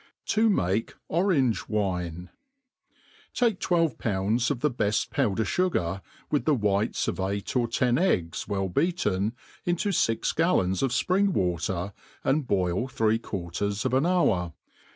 To make Orange^Wtnes ^AKE twelve pounds of the bcft powder fwgar, with the whites of eight or ten eggs well beaten, into fix gallons of fpring water, and boil thi^e quarters of an hour.